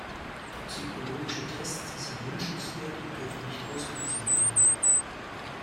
Toxikologische Tests sind wünschenswert und dürfen nicht ausgelassen werden.